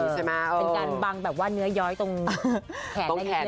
เป็นการบังแบบว่าเนื้อย้อยตรงแขนตรงแขน